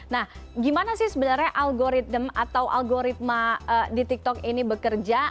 nah gimana sih sebenarnya algoritma di tiktok ini bekerja